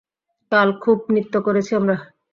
কাল খুব নৃত্য করেছি আমরা।